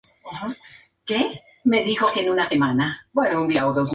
Al intercambiar material e ideas formaron un dúo llamado Alianza.